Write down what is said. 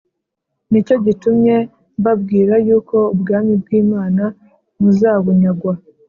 Ni cyo gitumye mbabwira yuko ubwami bw’Imana muzabunyagwa